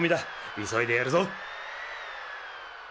いそいでやるぞ。